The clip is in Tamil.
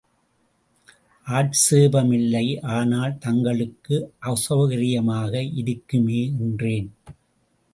ஆட்சேபமில்லை ஆனால் தங்களுக்கு அசெளகரியமாக இருக்குமே என்றேன்.